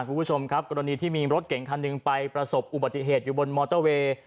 คุณผู้ชมครับกรณีที่มีรถเก่งคันหนึ่งไปประสบอุบัติเหตุอยู่บนมอเตอร์เวย์